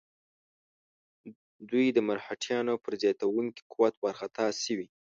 دوی د مرهټیانو پر زیاتېدونکي قوت وارخطا شوي.